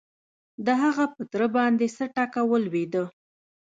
د هغه په تره باندې څه ټکه ولوېده؟